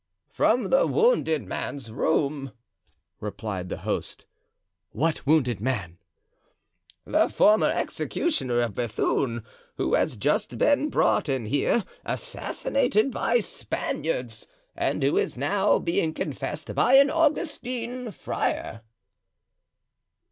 "From the wounded man's room," replied the host. "What wounded man?" "The former executioner of Bethune, who has just been brought in here, assassinated by Spaniards, and who is now being confessed by an Augustine friar."